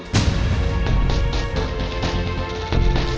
tidak kusah atau pelipat